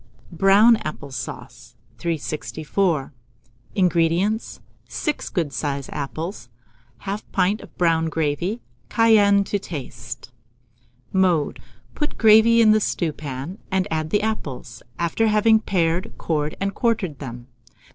BROWN APPLE SAUCE. 364. INGREDIENTS. 6 good sized apples, 1/2 pint of brown gravy, cayenne to taste. Mode. Put the gravy in a stewpan, and add the apples, after having pared, cored, and quartered them.